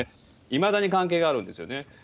いまだに関係があるんですよね。